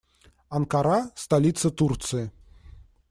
Анкара - столица Турции.